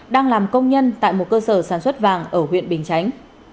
đang làm công nhân tại một cơ sở sản xuất vàng ở huyện bình chánh